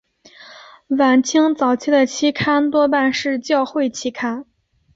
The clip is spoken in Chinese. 晚清早期的期刊多半是教会期刊。